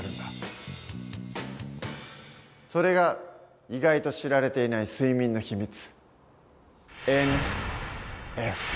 それが意外と知られていない睡眠のひみつ。